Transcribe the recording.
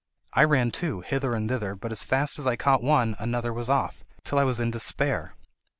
I ran too, hither and thither, but as fast as I caught one, another was off, till I was in despair.